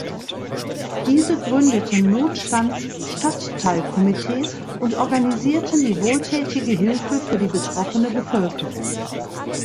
Diese gründeten Notstands-Stadtteilkomitees und organisierten die wohltätige Hilfe für die betroffene Bevölkerung.